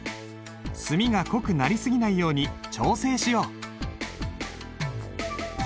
墨が濃くなり過ぎないように調整しよう。